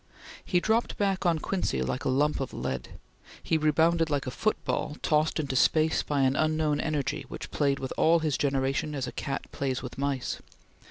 He dropped back on Quincy like a lump of lead; he rebounded like a football, tossed into space by an unknown energy which played with all his generation as a cat plays with mice.